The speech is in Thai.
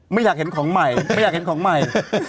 ไม่อยากเห็นของใหม่ไม่อยากเห็นของใหม่